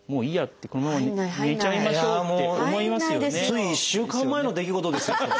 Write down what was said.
つい１週間前の出来事ですよ。